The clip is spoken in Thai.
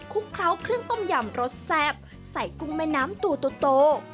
เคล้าเครื่องต้มยำรสแซ่บใส่กุ้งแม่น้ำตัวโต